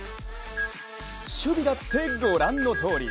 守備だってご覧のとおり。